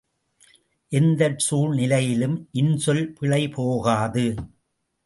எந்தச் சூழ்நிலையிலும் இன்சொல் பிழைபோகாது.